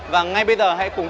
và ngay bây giờ hãy cùng đứng qua